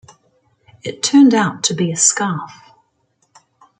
It turned out to be a scarf.